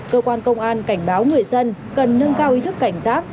cơ quan công an cảnh báo người dân cần nâng cao ý thức cảnh giác